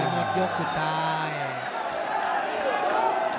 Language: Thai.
ห็วเป็นว่าไม่ต้องไว้จะยืนโดนไม่จอยไม่เอาไป